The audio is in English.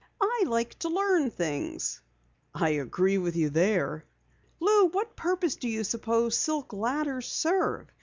"I like to learn about things." "I agree with you there!" "Lou, what purpose do you suppose silk ladders serve?